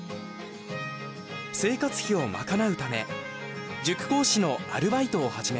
生活費を賄うため塾講師のアルバイトを始めます。